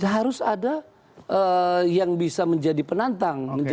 harus ada yang bisa menjadi penantang